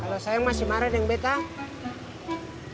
asa's arum seharusnya ke